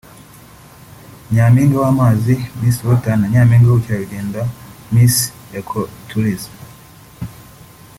Nyampinga w’amazi (Miss Water ) na Nyampinga w’ubukerarugendo (Miss Eco-tourism)